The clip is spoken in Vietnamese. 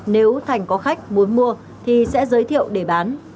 nếu thành có khách muốn mua thì sẽ giới thiệu để bán